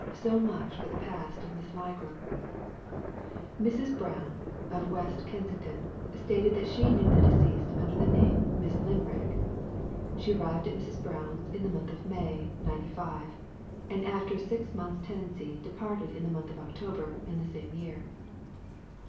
So much for the past of Miss Ligram. Mrs. Brown, of West Kensington, stated that she knew the deceased under the name of Miss Limrag. She arrived at Mrs. Brown's in the month of May, '95, and after a six months' tenancy departed in the month of October in the same year.